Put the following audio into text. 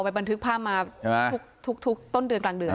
ไปบันทึกพามาใช่ไหมทุกทุกต้นเดือนกลางเดือนอ่า